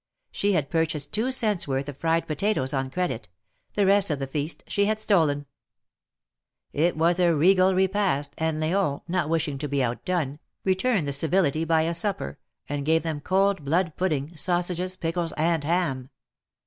She had purchased two cents' worth of fried potatoes on credit; the rest of the feast she had stolen. It was a regal repast, and Leon, not wishing to be out done, returned the civility by a supper, and gave them cold blood pudding, sausages, pickles and ham.